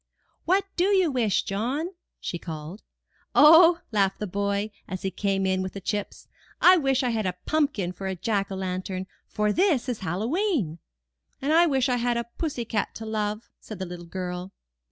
*'What do you wish, John?'' she called. 0h," laughed the boy, as he came in with the chips. I wish I had a pumpkin for a jack o' lantern, for this is Hallowe'en." And I wish I had a pussy cat to love," said the little girl.